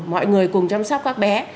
mọi người cùng chăm sóc các bé